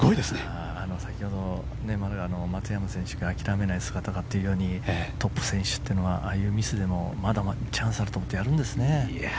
先ほど、松山選手が諦めない姿がというようにトップ選手っていうのはああいうミスでもまだまだチャンスがあると思ってやるんですね。